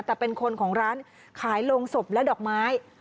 แต่เป็นคนของร้านขายโรงศพและดอกไม้